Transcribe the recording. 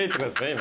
今。